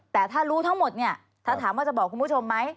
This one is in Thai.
แต่ถ้ารู้ทั้งหมดเนี่ยถ้าถามว่าจะบอกคุณผู้ชมไหม